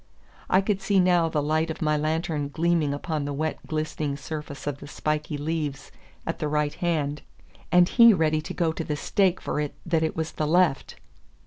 I could see now the light of my lantern gleaming upon the wet glistening surface of the spiky leaves at the right hand, and he ready to go to the stake for it that it was the left!